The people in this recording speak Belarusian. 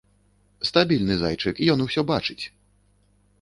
Стабільны зайчык, ён усё бачыць!